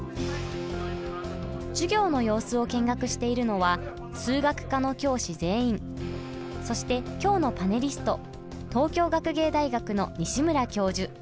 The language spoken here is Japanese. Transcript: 授業の様子を見学しているのは数学科の教師全員そして今日のパネリスト東京学芸大学の西村教授。